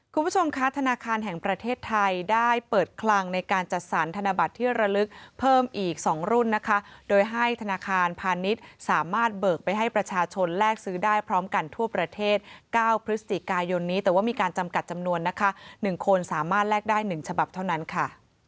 คุณผู้ชมคะธนาคารแห่งประเทศไทยได้เปิดคลังในการจัดสรรธนบัตรที่ระลึกเพิ่มอีก๒รุ่นนะคะโดยให้ธนาคารพาณิชย์สามารถเบิกไปให้ประชาชนแลกซื้อได้พร้อมกันทั่วประเทศ๙พฤศจิกายนนี้แต่ว่ามีการจำกัดจำนวนนะคะ๑คนสามารถแลกได้๑ฉบับเท่านั้นค่ะ